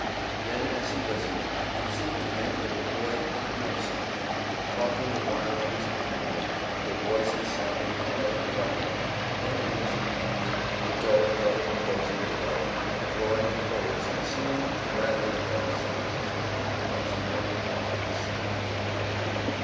Then, as he listened, it seemed to him that the boy climbed up somewhere, talking the while to his companion, their voices sounding hollow and rumbling, then there was a pause, the dull thud of a closing door, the drawing of bolts, and soon the rattling of heavy stones, and once more all was silent.